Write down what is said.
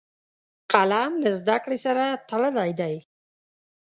قلم له زده کړې سره تړلی دی